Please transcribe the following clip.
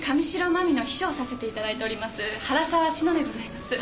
真実の秘書をさせていただいております原沢志乃でございます。